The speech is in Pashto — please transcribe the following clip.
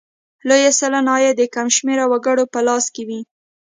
لویه سلنه عاید د کم شمېر وګړو په لاس کې وي.